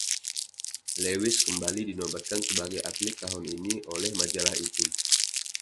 Lewis kembali dinobatkan sebagai Atlet Tahun Ini oleh majalah itu.